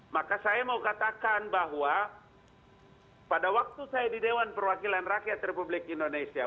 maka saya mau katakan bahwa pada waktu saya di dewan perwakilan rakyat republik indonesia